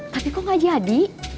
tapi kok gak jadi